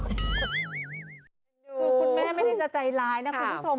คือคุณแม่ไม่ได้จะใจร้ายนะคุณผู้ชม